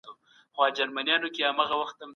هغه وویل چي شتمن باید مرسته وکړي.